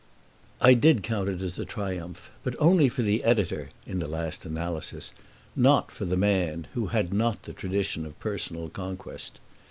I did count it as a triumph, but only for the editor (in the last analysis), not for the man, who had not the tradition of personal conquest.